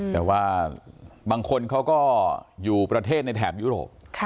แต่ว่าบางคนเขาก็อยู่ประเทศในแถบยุโรป